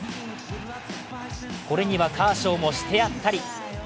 これにはカーショーもしてやったり。